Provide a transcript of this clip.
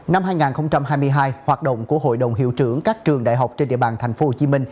năm hai nghìn hai mươi hai hoạt động của hội đồng hiệu trưởng các trường đại học trên địa bàn tp hcm